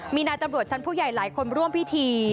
มีนายตำรวจชั้นผู้ใหญ่หลายคนร่วมพิธี